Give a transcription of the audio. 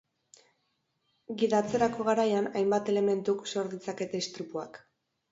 Gidatzerako garaian hainbat elementuk sor ditzakete istripuak.